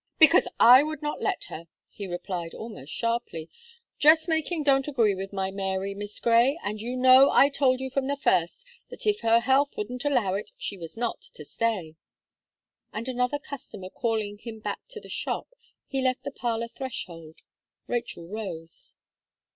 "Because I would not let her," he replied, almost sharply, "dress making don't agree with my Mary, Miss Gray, and you know I told you from the first, that if her health wouldn't allow it, she was not to stay." And a customer calling him back to the shop, he left the parlour threshold. Rachel rose.